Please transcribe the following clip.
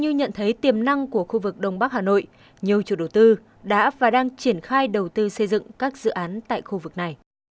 nhận thấy tiềm năng của khu vực đông bắc hà nội nhiều chủ đầu tư đã và đang triển khai đầu tư xây dựng các dự án tại khu vực này